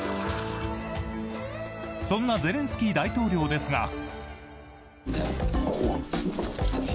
そんなゼレンスキー大統領ですが。